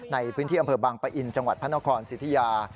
ในพื้นที่อำเภอบางปะอินจังหวัดพระนครสิทธิยา